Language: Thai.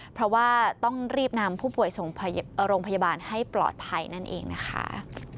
เพราะว่าต้องรีบนำผู้ป่วยส่งโรงพยาบาลให้ปลอดภัยนั่นเองนะคะ